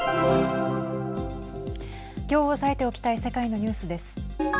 きょう押さえておきたい世界のニュースです。